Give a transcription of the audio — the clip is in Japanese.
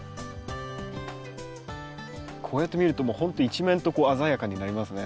こうやって見るともうほんと一面とこう鮮やかになりますね。